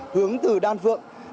hướng từ đan phượng